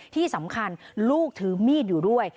ที่สำคัญลูกถือมีดอยู่ด้วย